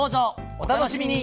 お楽しみに！